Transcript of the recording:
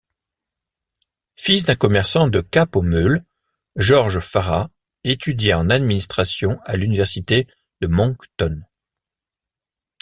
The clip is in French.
Fils d'un commerçant de Cap-aux-Meules, Georges Farrah étudia en administration à l'Université de Moncton.